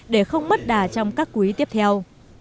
để không mất đà trong các quý tiếp theo